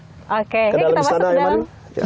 oke yuk kita masuk ke dalam